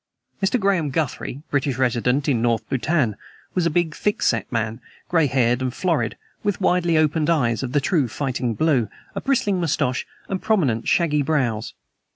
Mr. Graham Guthrie, British resident in North Bhutan, was a big, thick set man gray haired and florid, with widely opened eyes of the true fighting blue, a bristling mustache and prominent shaggy brows.